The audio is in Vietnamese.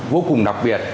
vô cùng đặc biệt